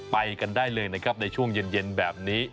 ไปกันได้เลยในช่วงเย็นแบบนี้